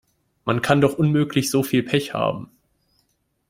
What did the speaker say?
Man kann doch unmöglich so viel Pech haben.